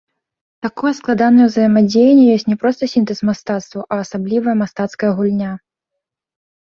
Такое складанае ўзаемадзеянне ёсць не проста сінтэз мастацтваў, а асаблівая мастацкая гульня.